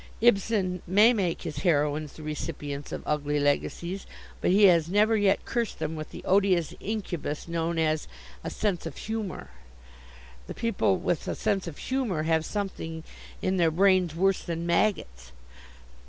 Ibsen may make his heroines the recipients of ugly legacies, but he has never yet cursed them with the odious incubus known as 'a sense of humor.' The people with a sense of humor have something in their brains worse than maggots.